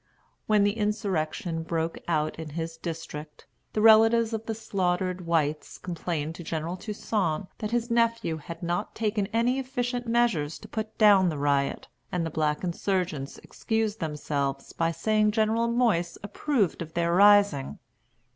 When the insurrection broke out in his district, the relatives of the slaughtered whites complained to General Toussaint that his nephew had not taken any efficient measures to put down the riot; and the black insurgents excused themselves by saying General Moyse approved of their rising.